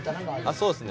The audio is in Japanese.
そうですね。